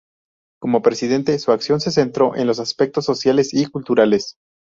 Como presidente, su acción se centró en los aspectos sociales y culturales.